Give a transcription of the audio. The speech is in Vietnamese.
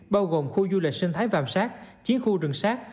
bao gồm khu du lịch sinh thái vàm sát chiến khu rừng sát